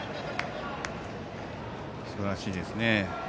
すばらしいですね。